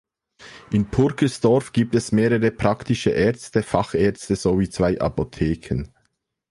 In Purkersdorf gibt es mehrere praktische Ärzte, Fachärzte sowie zwei Apotheken.